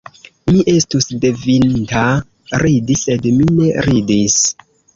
Mi estus devinta ridi, sed mi ne ridis.